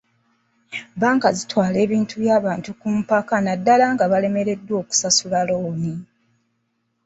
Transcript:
Bbanka zitwala ebintu by'abantu ku mpaka naddala nga balemereddwa okusasula looni.